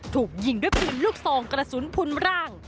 ถูกยิงด้วยปืนลูกซองกระสุนพุนร่าง